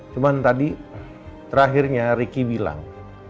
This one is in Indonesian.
cuman tadi terakhirnya riki bilang